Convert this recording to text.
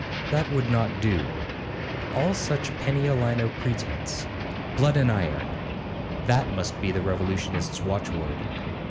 That would not do; à bas all such penny a liner pretence! Blood and iron! that must be the revolutionists' watchword.